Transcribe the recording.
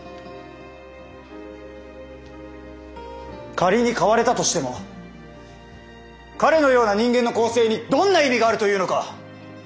仮に変われたとしても彼のような人間の更生にどんな意味があるというのか！